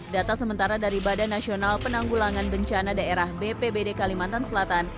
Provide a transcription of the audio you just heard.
data sementara dari badan nasional penanggulangan bencana daerah bpbd kalimantan selatan